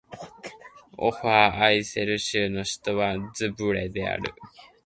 オーファーアイセル州の州都はズヴォレである